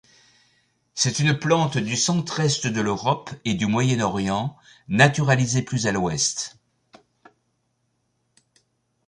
C'est une plante du centre-est de l'Europe et du Moyen-Orient, naturalisée plus à l'ouest.